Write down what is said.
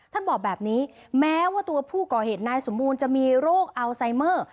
ท่านบอกแบบนี้แม้ว่าตัวผู้ก่อเหตุนายสมบูรณ์จะมีโรคอัลไซเมอร์